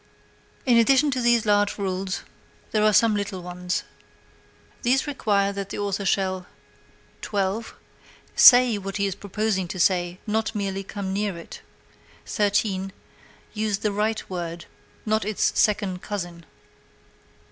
In addition to these large rules there are some little ones. These require that the author shall: 12. Say what he is proposing to say, not merely come near it. 13. Use the right word, not its second cousin.